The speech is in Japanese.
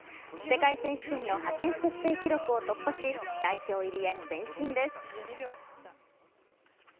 世界選手権の派遣設定記録を突破し代表入りへ前進です。